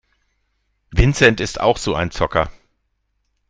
Vincent ist auch so ein Zocker.